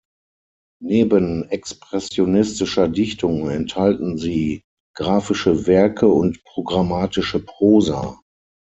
Neben expressionistischer Dichtung enthalten sie graphische Werke und programmatische Prosa.